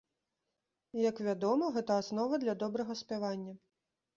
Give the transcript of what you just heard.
Як вядома, гэта аснова для добрага спявання.